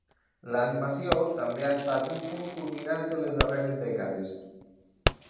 L'animació també ha estat un punt culminant en les darreres dècades.